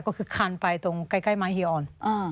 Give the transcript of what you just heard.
ก็คือคานไปตรงใกล้มหิออน